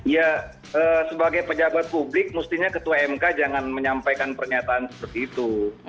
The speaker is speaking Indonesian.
ya sebagai pejabat publik mestinya ketua mk jangan menyampaikan pernyataan seperti itu